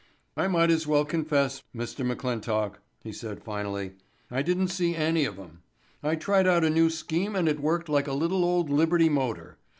"I might as well confess, Mr. McClintock," he said finally. "I didn't see any of 'em. I tried out a new scheme and it worked like a little old Liberty motor.